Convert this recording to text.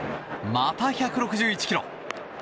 また１６１キロ。